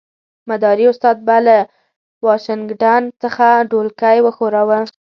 مداري استاد به له واشنګټن څخه ډولکی وښوراوه.